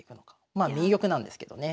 まあ右玉なんですけどね。